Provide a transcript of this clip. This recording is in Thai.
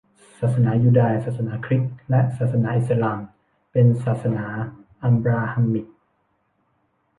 ศาสนายูดาย ศาสนาคริสต์และอิสลาม เป็น ศาสนาอับบราฮัมมิก